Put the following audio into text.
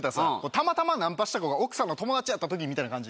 たまたまナンパした子が奥さんの友達やったときみたいな感じ？